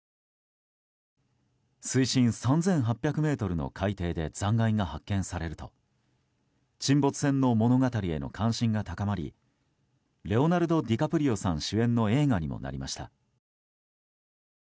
水深３８００ｍの海底で残骸が発見されると沈没船の物語への関心が高まりレオナルド・ディカプリオさん主演の映画にもなりました。